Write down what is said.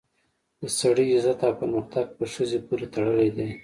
د سړي عزت او پرمختګ په ښځې پورې تړلی دی